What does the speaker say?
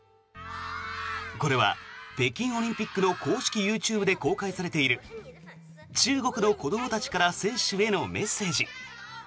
これは北京オリンピックの公式ＹｏｕＴｕｂｅで公開されている中国の子どもたちから選手へのメッセージ。